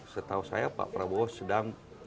setahu saya pak prabowo sedang